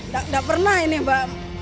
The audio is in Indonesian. tidak pernah ini mbak